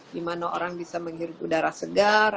dimana orang bisa menghirupi udara segar